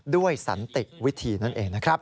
สันติวิธีนั่นเองนะครับ